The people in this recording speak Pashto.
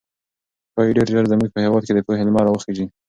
ښايي ډېر ژر زموږ په هېواد کې د پوهې لمر راوخېږي.